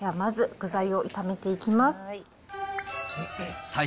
まず、具材を炒めていきます。